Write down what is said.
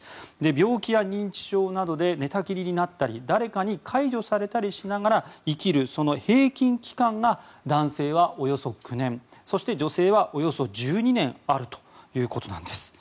病気や認知症などで寝たきりになったり誰かに介助されたりしながら生きる、その平均期間が男性はおよそ９年そして女性はおよそ１２年あるということなんです。